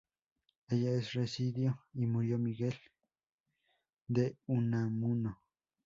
En ella residió y murió Miguel de Unamuno.